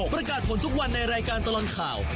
ประกาศผลทุกวันในรายการตลอดข่าว